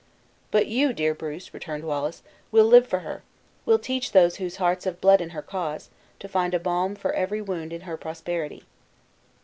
"But you, dear Bruce," returned Wallace, "will live for her; will teach those whose hearts have bled in her cause, to find a balm for every wound in her prosperity."